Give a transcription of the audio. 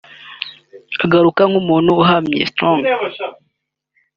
Agaragara nk’umuntu uhamye (strict)